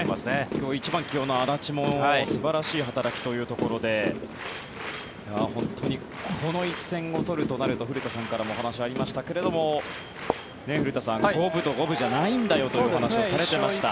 今日１番起用の安達も素晴らしい働きということで本当にこの１戦を取るとなると古田さんからもお話がありましたが古田さん五分と五分じゃないんだよという話もしていました。